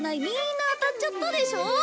みんな当たっちゃったでしょ。